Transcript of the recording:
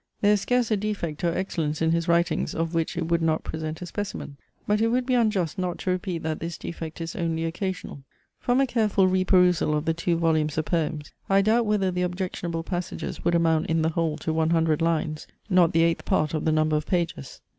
There is scarce a defect or excellence in his writings of which it would not present a specimen. But it would be unjust not to repeat that this defect is only occasional. From a careful reperusal of the two volumes of poems, I doubt whether the objectionable passages would amount in the whole to one hundred lines; not the eighth part of the number of pages.